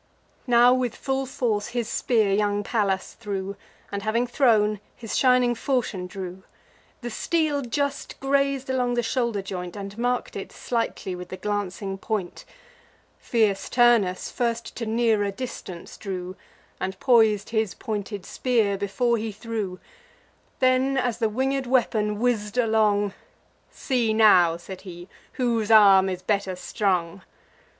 Now with full force his spear young Pallas threw, And, having thrown, his shining falchion drew The steel just graz'd along the shoulder joint, And mark'd it slightly with the glancing point, Fierce Turnus first to nearer distance drew, And pois'd his pointed spear, before he threw: Then, as the winged weapon whizz'd along, "See now," said he, "whose arm is better strung."